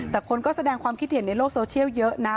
แต่คนก็แสดงความคิดเห็นในโลกโซเชียลเยอะนะ